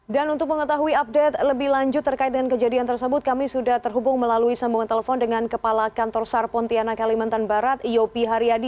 dan untuk mengetahui update lebih lanjut terkait dengan kejadian tersebut kami sudah terhubung melalui sambungan telepon dengan kepala kantor sar pontiana kalimantan barat yopi hariadi